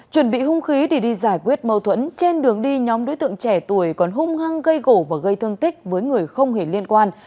chuẩn bị hung khí để đi giải quyết mâu thuẫn trên đường đi nhóm đối tượng trẻ tuổi còn hung hăng gây gổ và gây thương tích với người không hề liên quan